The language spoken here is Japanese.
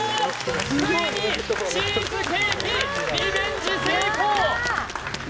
ついにチーズケーキリベンジ